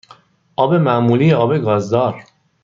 آب معمولی یا آب گازدار؟